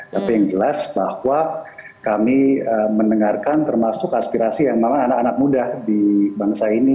tapi yang jelas bahwa kami mendengarkan termasuk aspirasi yang memang anak anak muda di bangsa ini